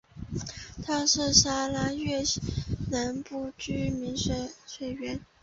它是沙拉越西南部居民的水源。